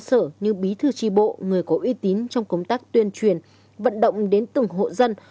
cơ sở như bí thư tri bộ người có uy tín trong công tác tuyên truyền vận động đến từng hộ dân